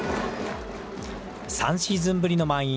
３シーズンぶりの満員。